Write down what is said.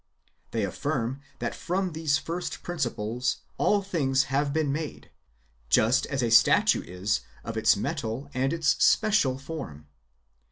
They affirm that from these first principles all things have been made, just as a statue is of its metal and its special form.